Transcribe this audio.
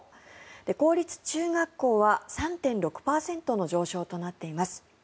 公立中学校は３．６％の上昇となっています。